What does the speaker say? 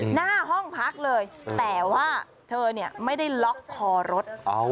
หน้าห้องพักเลยแต่ว่าเธอเนี่ยไม่ได้ล็อกคอรถ